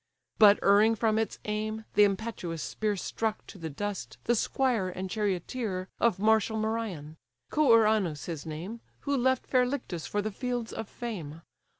But erring from its aim, the impetuous spear Struck to the dust the squire and charioteer Of martial Merion: Coeranus his name, Who left fair Lyctus for the fields of fame.